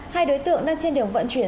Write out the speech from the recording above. hai đối tượng đang trên đường vận chuyển